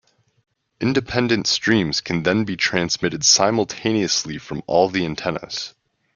Independent streams can then be transmitted simultaneously from all the antennas.